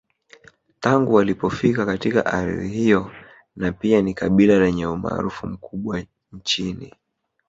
Tangu walipofika katika ardhi hiyo na pia ni kabila lenye umaarufu mkubwa nchini